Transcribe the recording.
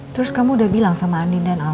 terus kamu udah bilang sama andi dan al